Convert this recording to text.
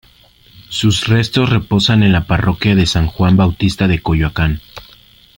Sus restos reposan en la Parroquia de San Juan Bautista de Coyoacán.